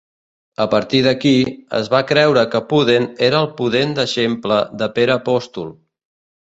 A partir d'aquí, es va creure que Pudent era el Pudent deixeble de Pere apòstol.